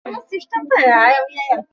এতে দুইটি তলায় দশটি হল রয়েছে।